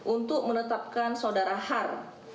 untuk menetapkan sodara har